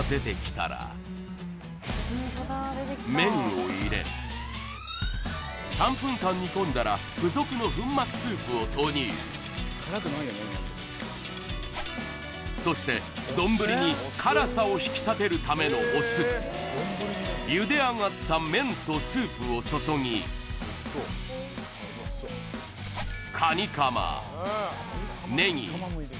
麺を入れ３分間煮込んだら付属の粉末スープを投入そして丼に辛さを引き立てるためのお酢茹で上がった麺とスープを注ぎかにかまネギ